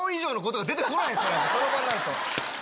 その場になると。